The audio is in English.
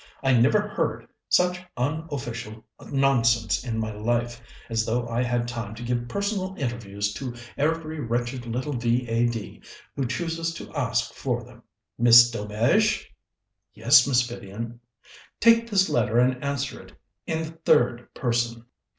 I never heard such unofficial nonsense in my life, as though I had time to give personal interviews to every wretched little V.A.D. who chooses to ask for them! Miss Delmege!" "Yes, Miss Vivian?" "Take this letter and answer it in the third person.